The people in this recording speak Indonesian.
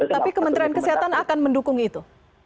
tapi kementerian kesehatan akan mendukung itu